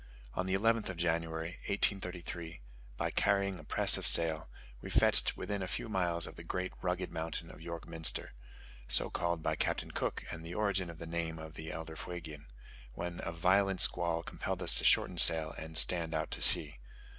On the 11th of January, 1833, by carrying a press of sail, we fetched within a few miles of the great rugged mountain of York Minster (so called by Captain Cook, and the origin of the name of the elder Fuegian), when a violent squall compelled us to shorten sail and stand out to sea.